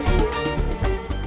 melaruh kesultanan aceh darussalam